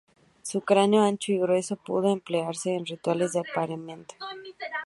Su cráneo, ancho y grueso, pudo emplearse en rituales de apareamiento.